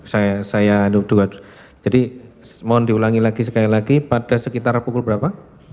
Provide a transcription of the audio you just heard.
saya saya berdua jadi mohon diulangi lagi sekali lagi pada sekitar pukul berapa